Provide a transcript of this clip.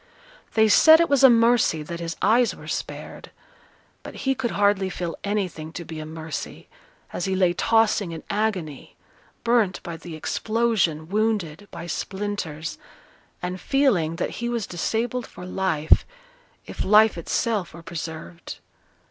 They said it was a mercy that his eyes were spared; but he could hardly feel anything to be a mercy, as he lay tossing in agony, burnt by the explosion, wounded by splinters, and feeling that he was disabled for life, if life itself were preserved.